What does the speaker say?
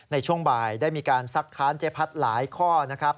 ในช่วงบ่ายได้มีการซักค้านเจ๊พัดหลายข้อนะครับ